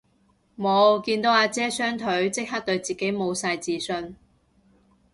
無，見到阿姐雙腿即刻對自己無晒自信